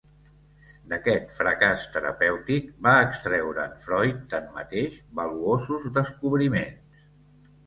D'aquest fracàs terapèutic va extreure'n Freud, tanmateix, valuosos descobriments.